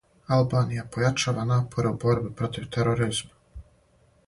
Албанија појачава напоре у борби против тероризма.